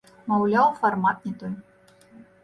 Маўляў, фармат не той.